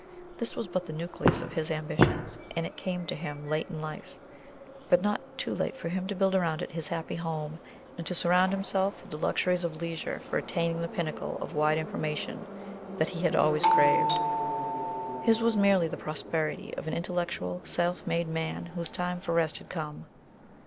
This was but the nucleus of his ambitions, and it came to him late in life, but not too late for him to build round it his happy home, and to surround himself with the luxuries of leisure for attaining the pinnacle of wide information that he had always craved. His was merely the prosperity of an intellectual, self made man whose time for rest had come.